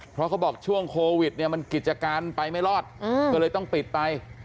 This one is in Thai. เพราะเขาบอกช่วงโควิดเนี่ยมันกิจการไปไม่รอดก็เลยต้องปิดไป